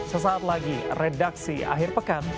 sesaat lagi redaksi akhir pekan